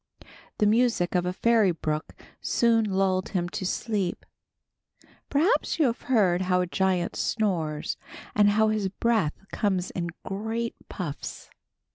The music of a fairy brook soon lulled him to sleep. Perhaps you have heard how a giant snores, and how his breath comes in great puffs.